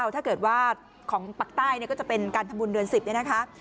ถ้าเกิดว่าของปากใต้ก็จะเป็นการทำบุญเดือน๑๐เนี่ยนะคะ